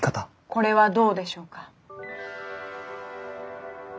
これはどうでしょうか？